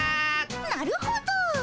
なるほど。